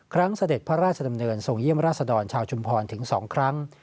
เสด็จพระราชดำเนินส่งเยี่ยมราชดรชาวชุมพรถึง๒ครั้ง